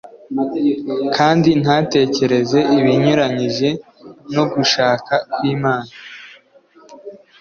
kandi ntatekereze ibinyuranyije n’ugushaka kw’Imana,